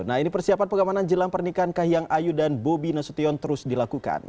nah ini persiapan pengamanan jelang pernikahan kahiyang ayu dan bobi nasution terus dilakukan